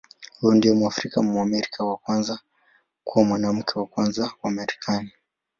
Huyu ndiye Mwafrika-Mwamerika wa kwanza kuwa Mwanamke wa Kwanza wa Marekani.